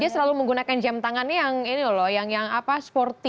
dia selalu menggunakan jam tangannya yang ini loh yang apa sporty